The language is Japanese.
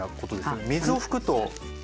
水を拭くと何が。